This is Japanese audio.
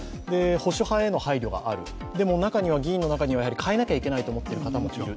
保守派への配慮がある、議員の中にはやはり変えなきゃいけないと思っている人もいる、